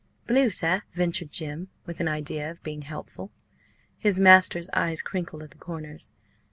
"Blue, sir?" ventured Jim, with an idea of being helpful. His master's eyes crinkled at the corners.